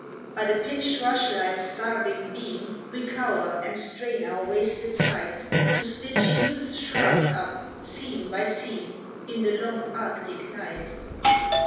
By the pinched rushlight's starving beam We cower and strain our wasted sight, To stitch youth's shroud up, seam by seam, In the long arctic night.